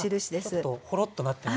ちょっとホロッとなってますね。